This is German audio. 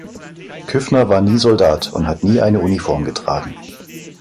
Küffner war nie Soldat und hat nie eine Uniform getragen.